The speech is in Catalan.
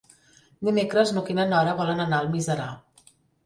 Dimecres n'Hug i na Nora volen anar a Almiserà.